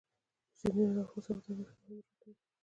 سیندونه د افغانستان په طبیعت کې مهم رول لري.